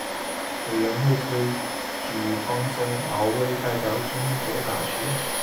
委员会推举方宗鳌为代表中国大学。